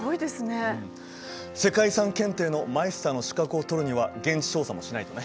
世界遺産検定のマイスターの資格を取るには現地調査もしないとね。